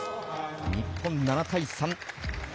日本、７対３。